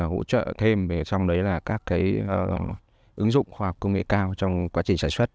hỗ trợ thêm về trong đấy là các ứng dụng hoặc công nghệ cao trong quá trình sản xuất